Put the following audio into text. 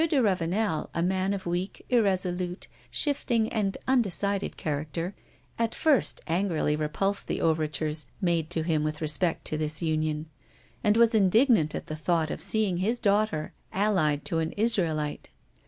de Ravenel, a man of weak, irresolute, shifting, and undecided character, at first angrily repulsed the overtures made to him with respect to this union, and was indignant at the thought of seeing his daughter allied to an Israelite.